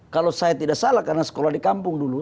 kalau saya tidak salah karena sekolah di kampung dulu